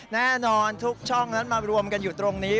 แน่นอนทุกช่องนั้นมารวมกันอยู่ตรงนี้